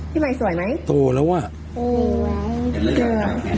พี่ใหม่สวยไหมโตแล้วอ่ะโตแล้วอ่ะ